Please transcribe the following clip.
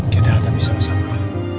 kedah tapi sama sama